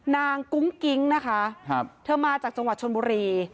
กุ้งกิ๊งนะคะเธอมาจากจังหวัดชนบุรี